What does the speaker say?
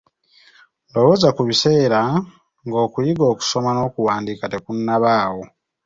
Lowooza ku biseera ng’okuyiga okusoma n’okuwandiika tekunnabaawo!